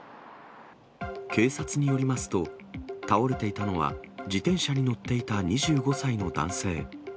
警察によりますと、倒れていたのは、自転車に乗っていた２５歳の男性。